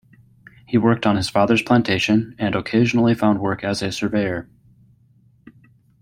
He worked on his father's plantation and occasionally found work as a surveyor.